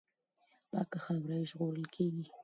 پاکه خاوره یې ژغورل کېږي.